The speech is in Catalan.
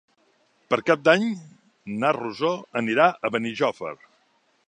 Per Cap d'Any na Rosó anirà a Benijòfar.